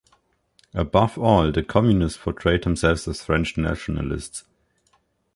Above all the Communists portrayed themselves as French nationalists.